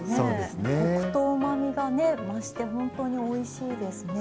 コクとうまみがね増してほんとにおいしいですね。